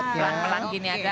pelan pelan gini aja